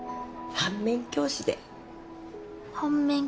反面教師？